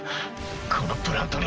このプラントに。